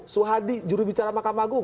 suhadi juru bicara mahkamah agung